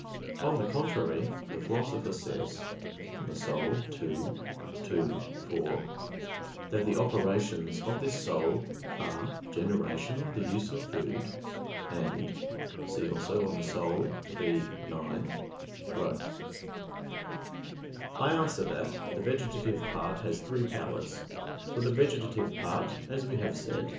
On the contrary, The Philosopher says (De Anima ii, 2,4) that the operations of this soul are "generation, the use of food," and (cf. De Anima iii, 9) "growth." I answer that, The vegetative part has three powers. For the vegetative part, as we have said (A.